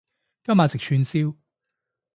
今晚食串燒